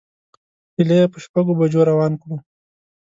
ایله یې په شپږو بجو روان کړو.